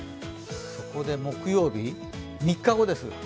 そこで木曜日、３日後です。